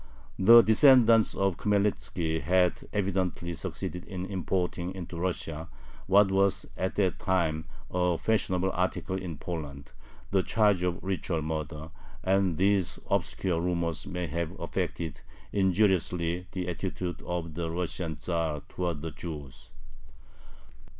The descendants of Khmelnitzki had evidently succeeded in importing into Russia what was at that time a fashionable article in Poland, the charge of ritual murder, and these obscure rumors may have affected injuriously the attitude of the Russian Tzar towards the Jews.